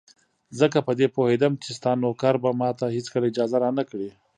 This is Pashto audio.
ځکه په دې پوهېدم چې ستا نوکر به ماته هېڅکله اجازه را نه کړي.